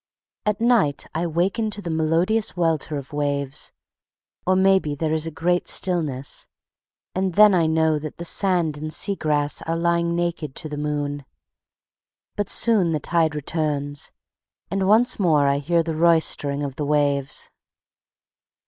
At night I waken to the melodious welter of waves; or maybe there is a great stillness, and then I know that the sand and sea grass are lying naked to the moon. But soon the tide returns, and once more I hear the roistering of the waves.